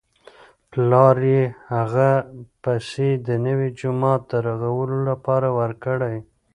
پلار یې هغه پیسې د نوي جومات د رغولو لپاره ورکړې.